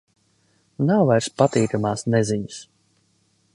Nav vairs patīkamās neziņas.